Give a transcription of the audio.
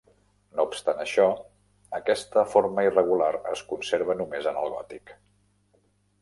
No obstant això, aquesta forma irregular es conserva només en el gòtic.